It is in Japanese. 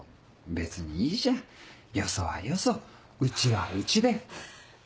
別にいいじゃんよそはよそうちはうちで。